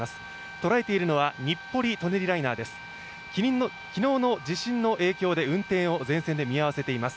捉えているのは日暮里・舎人ライナーです。